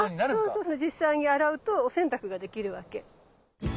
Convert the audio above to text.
あそうですね。実際に洗うとお洗濯ができるわけ。